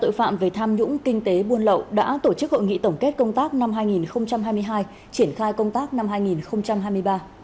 đội phạm về tham nhũng kinh tế buôn lậu đã tổ chức hội nghị tổng kết công tác năm hai nghìn hai mươi hai triển khai công tác năm hai nghìn hai mươi ba